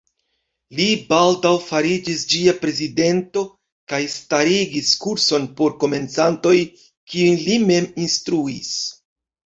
Li baldaŭ fariĝis ĝia prezidento kaj starigis kurson por komencantoj, kiun li mem instruis.